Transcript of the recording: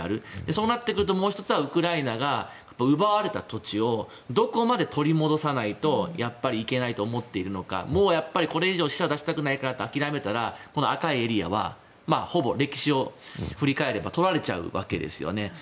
そうなってくると、もう１つはウクライナが奪われた土地をどこまで取り戻さないとやっぱりいけないと思っているのかもうやっぱりこれ以上死者を出したくないと諦めるならば赤いエリアはほぼ歴史を振り返れば取られちゃうわけですよね。